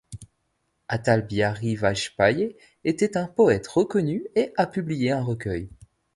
Atal Bihari Vajpayee était un poète reconnu et a publié un recueil.